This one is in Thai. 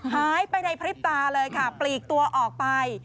หายไปในพริบตาเลยค่ะปลีกตัวออกไป